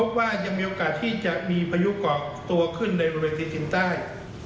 ก็ว่ายังมีโอกาสที่จะมีพายุกอดกตัวขึ้นในบริเวณตีนด้าย